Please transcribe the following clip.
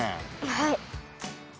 はい。